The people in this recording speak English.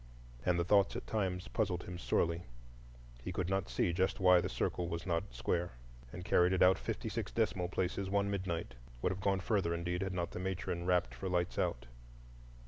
And the thoughts at times puzzled him sorely; he could not see just why the circle was not square, and carried it out fifty six decimal places one midnight,—would have gone further, indeed, had not the matron rapped for lights out.